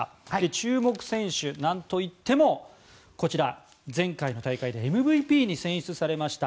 注目選手何といっても前回の大会でＭＶＰに選出されました